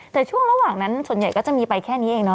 แต่ช่วงระหว่างนั้นส่วนใหญ่ก็จะมีไปแค่นี้เองเน